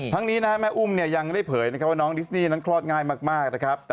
นี้นะฮะแม่อุ้มเนี่ยยังได้เผยนะครับว่าน้องดิสนี่นั้นคลอดง่ายมากนะครับ